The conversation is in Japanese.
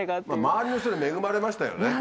周りの人に恵まれましたよね。